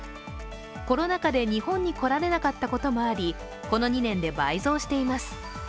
コロナ禍で日本に来られなかったこともあり、この２年で倍増しています。